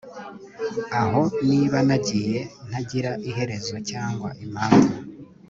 Aho niba nagiye ntagira iherezo cyangwa impamvu